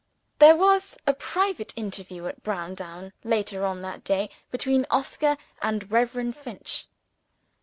There was a private interview at Browndown, later on that day, between Oscar and Reverend Finch.